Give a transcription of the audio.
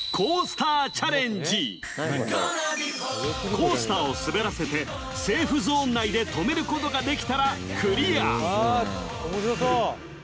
コースターを滑らせてセーフゾーン内で止めることができたらクリア・面白そう！